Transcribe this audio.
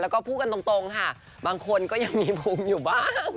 แล้วก็พูดกันตรงค่ะบางคนก็ยังมีภูมิอยู่บ้าง